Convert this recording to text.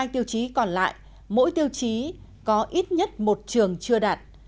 năm mươi hai tiêu chí còn lại mỗi tiêu chí có ít nhất một trường chưa đạt